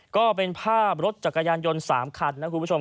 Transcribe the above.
ก็เป็นภาพรถจักรยานยนต์๓คันนะคุณผู้ชม